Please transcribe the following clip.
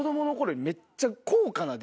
めっちゃ。